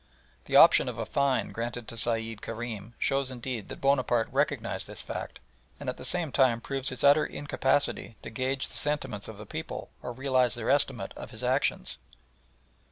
The option of a fine granted to Sayed Kerim shows indeed that Bonaparte recognised this fact, and at the same time proves his utter incapacity to gauge the sentiments of the people or realise their estimate of his actions.